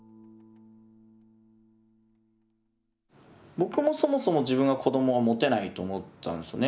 僕もそもそも自分が子どもを持てないと思ったんですね。